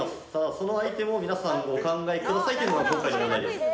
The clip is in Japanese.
そのアイテムを皆さんお考えくださいというのが今回の問題です。